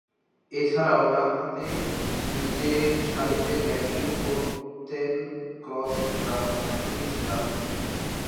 এছাড়াও, ডানহাতে নিচেরসারিতে ব্যাটিং করতেন ক্রিস ড্রাম।